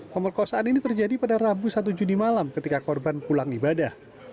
pemerkosaan ini terjadi pada rabu satu juni malam ketika korban pulang ibadah